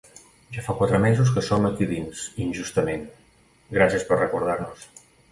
Ja fa quatre mesos que som aquí dins, injustament… Gràcies per recordar-nos!